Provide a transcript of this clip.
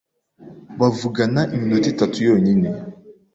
bavugana iminota itatu yonyine